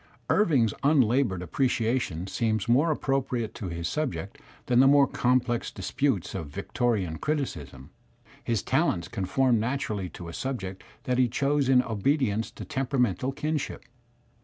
Irving's un laboured appreciation seems more appropriate to his subject than the more complex disputes of Victorian criticism; his talents conform naturally to a subject that he chose in obedience to temperamental kinship.